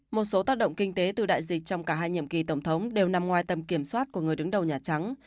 một số tác động kinh tế từ đại dịch trong cả hai nhiệm kỳ tổng thống đều nằm ngoài tầm kiểm soát của người đứng đầu nhà trắng